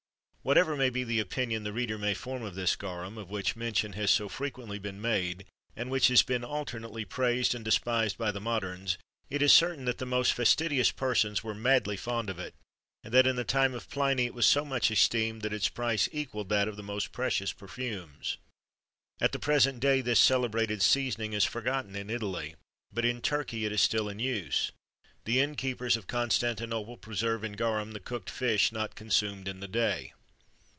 [XXIII 42] Whatever may be the opinion the reader may form of this garum, of which mention has so frequently been made, and which has been alternately praised and despised by the moderns, it is certain that the most fastidious persons were madly fond of it, and that in the time of Pliny, it was so much esteemed, that its price equalled that of the most precious perfumes. "At the present day this celebrated seasoning is forgotten in Italy, but in Turkey it is still in use. The inn keepers of Constantinople preserve in garum the cooked fish not consumed in the day."